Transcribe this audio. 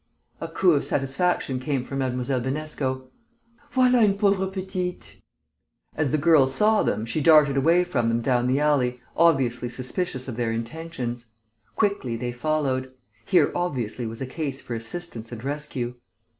a coo of satisfaction came from Mlle. Binesco. "Voilà une pauvre petite!" As the girl saw them, she darted away from them down the alley, obviously suspicious of their intentions. Quickly they followed; here, obviously, was a case for assistance and rescue.